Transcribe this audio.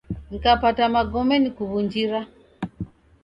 Nkapata magome nukuw'unjira.